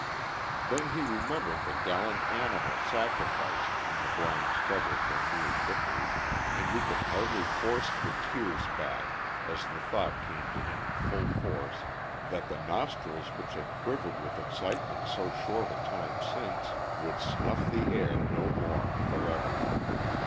Then he remembered the gallant animal sacrificed in the blind struggle for mere victory, and he could hardly force the tears back as the thought came to him in full force that the nostrils which had quivered with excitement so short a time since, would snuff the air no more forever.